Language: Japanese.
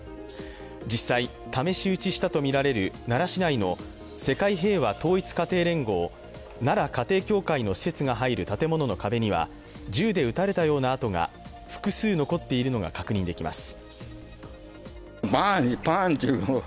実際、試し撃ちしたとみられる奈良市内の世界平和統一家庭連合奈良家庭教会の施設が入る建物の壁には銃で撃たれたような痕が複数残っているのが確認できます。